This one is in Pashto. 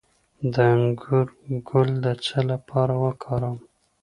د انګور ګل د څه لپاره وکاروم؟